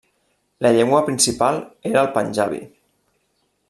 La llengua principal era el panjabi.